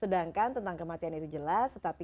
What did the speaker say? oke kita akan break dulu